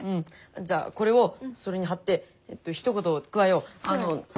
じゃあこれをそれに貼ってひと言加えよう。